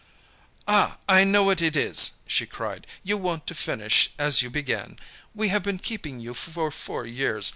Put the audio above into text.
"Ah! I know what it is," she cried, "you want to finish as you began. We have been keeping you for four years.